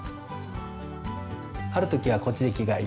「ある時はこっちで着替えよう」